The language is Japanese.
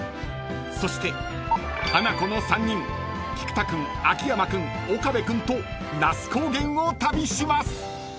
［そしてハナコの３人菊田君秋山君岡部君と那須高原を旅します］